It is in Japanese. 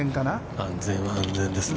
◆安全は安全ですね。